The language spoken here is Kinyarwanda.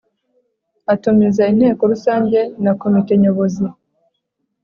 Atumiza inteko rusange na komite nyobozi